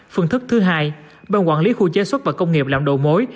phân thức thứ hai bằng quản lý khu chế xuất và công nghiệp làm đầu mối